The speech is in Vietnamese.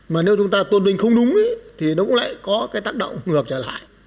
mà nếu chúng ta tôn vinh không đúng thì nó cũng lại có cái tác động ngược trở lại